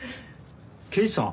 刑事さん。